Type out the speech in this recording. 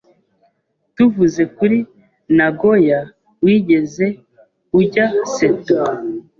Tuvuze kuri Nagoya, wigeze ujya Seto?